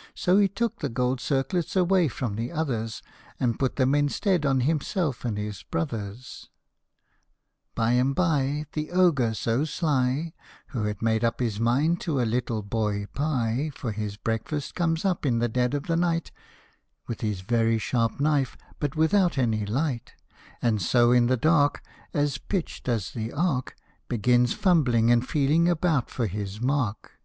" So he took the gold circlets away from the others, And put them instead on himself and his brothers. By and bye The Ogre so sly (Who had made up his mind to a little boy pie For his breakfast) comes up in the dead of the night With his very sharp knife, but without any light, And so in the dark (as pitched as the ark) Begins fumbling and feeling about for his mark, 88 HOP o MY THUMB.